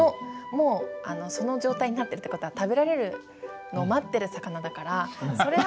もうその状態になってるって事は食べられるのを待ってる魚だからそれはもう。